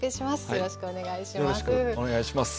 よろしくお願いします。